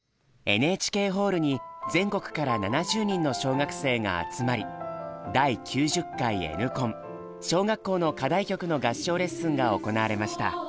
ＮＨＫホールに全国から７０人の小学生が集まり第９０回Ｎコン小学校の課題曲の合唱レッスンが行われました。